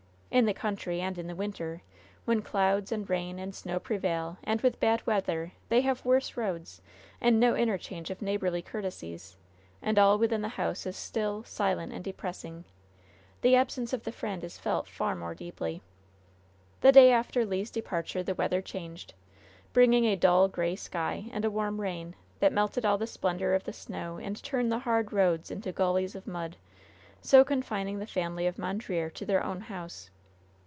In the country, and in the winter, when clouds, and rain, and snow prevail, and with bad weather they have worse roads, and no interchange of neighborly courtesies, and all within the house is still, silent and depressing, the absence of the friend is felt far more deeply. The day after Le's departure the weather changed, bringing a dull, gray sky, and a warm rain, that melted all the splendor of the snow, and turned the hard roads into gullies of mud, so confining the family of Mondreer to their own house.